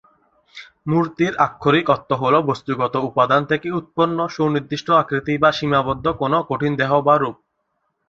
মূর্তির আক্ষরিক অর্থ হল বস্তুগত উপাদান থেকে উৎপন্ন সুনির্দিষ্ট আকৃতি বা সীমাবদ্ধ কোনো কঠিন দেহ বা রূপ।